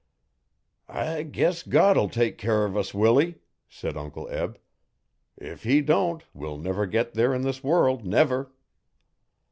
'I guess God'll take care of us, Willy,' said Uncle Eb. 'If he don't, we'll never get there in this world never!'